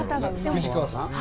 藤川さん。